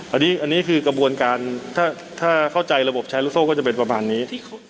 อันนี้คือกระบวนการถ้าเข้าใจระบบแชร์ลูกโซ่ก็จะเป็นประมาณนี้